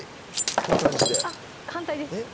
こういう感じで反対ですえっ